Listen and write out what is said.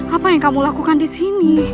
apa yang kamu lakukan disini